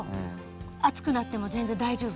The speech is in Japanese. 暑くなっても全然大丈夫？